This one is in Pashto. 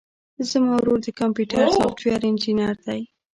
زما ورور د کمپيوټر سافټوېر انجينر دی.